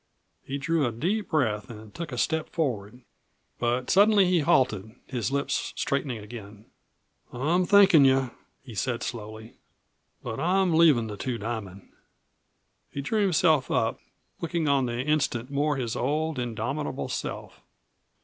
He drew a deep breath and took a step forward. But suddenly he halted, his lips straightening again. "I'm thankin' you," he said slowly. "But I'm leavin' the Two Diamond." He drew himself up, looking on the instant more his old indomitable self.